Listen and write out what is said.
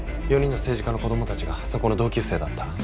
４人の政治家の子どもたちがそこの同級生だった。